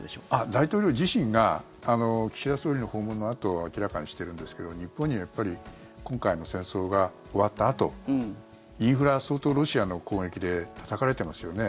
大統領自身が岸田総理の訪問のあと明らかにしてるんですけど日本にはやっぱり今回の戦争が終わったあとインフラ、相当、ロシアの攻撃でたたかれてますよね。